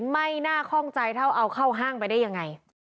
ไม่น่าคล่องใจเท่าเอาเข้าห้างไปได้ยังไง